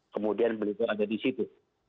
kemudian beliau ada di situ